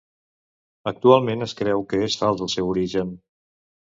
Actualment es creu que és fals el seu origen.